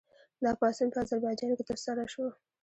دا پاڅون په اذربایجان کې ترسره شو.